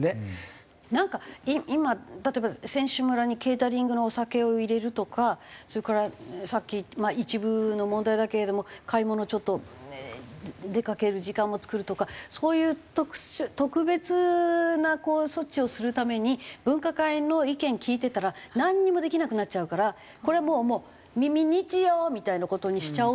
なんか今例えば選手村にケータリングのお酒を入れるとかそれからさっきまあ一部の問題だけれども買い物ちょっと出かける時間も作るとかそういう特別な措置をするために分科会の意見聞いてたらなんにもできなくなっちゃうからこれはもう耳日曜みたいな事にしちゃおうっていう。